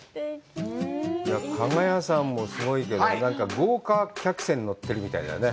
加賀屋さんもすごいけど、豪華客船に乗ってるみたいだね。